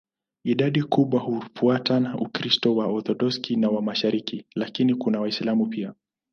Idadi kubwa hufuata Ukristo wa Waorthodoksi wa mashariki, lakini kuna Waislamu pia.